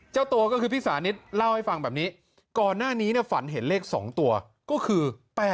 เจ้าตัวก็คือพี่สานิทเล่าให้ฟังแบบนี้ก่อนหน้านี้ฝันเห็นเลข๒ตัวก็คือ๘๘